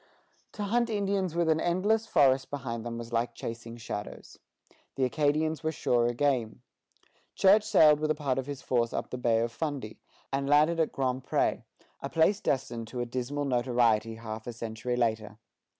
To hunt Indians with an endless forest behind them was like chasing shadows. The Acadians were surer game. Church sailed with a part of his force up the Bay of Fundy, and landed at Grand Pré, a place destined to a dismal notoriety half a century later.